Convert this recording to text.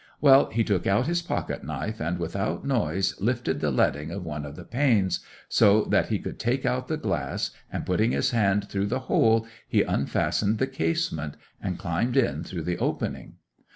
Well, he took out his pocket knife, and without noise lifted the leading of one of the panes, so that he could take out the glass, and putting his hand through the hole he unfastened the casement, and climbed in through the opening.